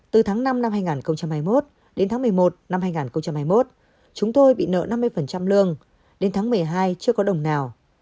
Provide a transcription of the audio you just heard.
từ tháng năm năm hai nghìn hai mươi một đến tháng một mươi một năm hai nghìn hai mươi một chúng tôi bị nợ năm mươi lương đến tháng một mươi hai chưa có đồng nào